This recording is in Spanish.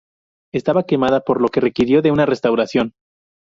Estaba quemada, por lo que requirió de una restauración.